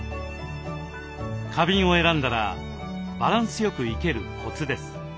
花瓶を選んだらバランスよく生けるコツです。